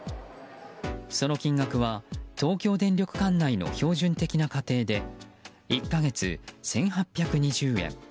その金額は東京電力管内の標準的な家庭で１か月１８２０円